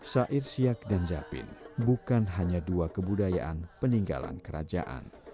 sair siak dan japin bukan hanya dua kebudayaan peninggalan kerajaan